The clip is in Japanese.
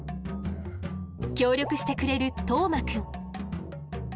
協力してくれる當眞くん。